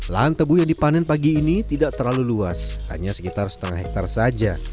lahan tebu yang dipanen pagi ini tidak terlalu luas hanya sekitar setengah hektare saja